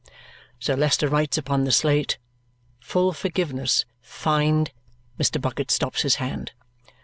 Sir Leicester writes upon the slate. "Full forgiveness. Find " Mr. Bucket stops his hand.